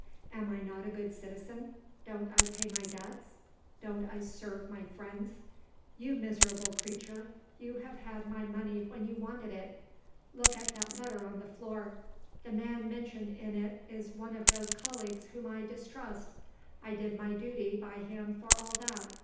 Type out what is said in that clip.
Am I not a good citizen? Don't I pay my debts? Don't I serve my friends? You miserable creature, you have had my money when you wanted it! Look at that letter on the floor. The man mentioned in it is one of those colleagues whom I distrust. I did my duty by him for all that.